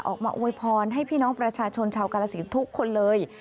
ออกมาอวยพรให้พี่น้องประชาชนชาวกาลสินทุกคนเลย